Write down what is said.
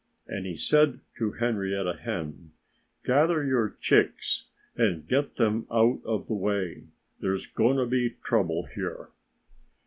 And he said to Henrietta Hen: "Gather your chicks and get them out of the way. There's going to be trouble here."